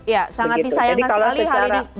ya sangat disayangkan sekali hal ini